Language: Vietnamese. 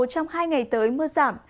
trong hai ngày tới mưa giảm